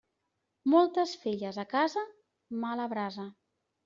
Moltes filles a casa, mala brasa.